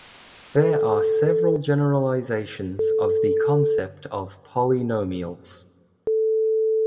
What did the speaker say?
There are several generalizations of the concept of polynomials.